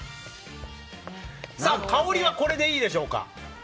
香りはこれでいいでしょうか。